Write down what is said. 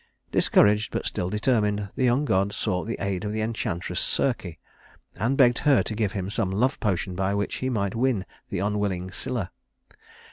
Discouraged but still determined, the young god sought the aid of the enchantress Circe, and begged her to give him some love potion by which he might win the unwilling Scylla.